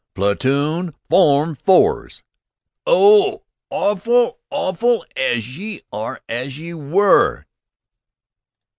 Platoon! Form Fours! Oh! Orful! Orful! As y' were! As y' were!"